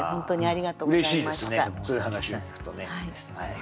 ありがとうございます。